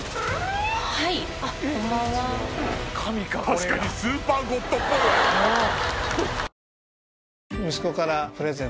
確かにスーパーゴッドっぽい！